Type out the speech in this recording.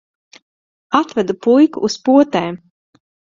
Atvedu puiku uz potēm.